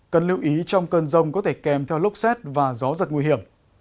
cần lưu ý trong cơn rông có thể kèm theo lốc xét và gió giật nguy hiểm